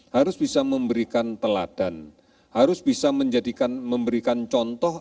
harus bisa memberikan teladan harus bisa memberikan contoh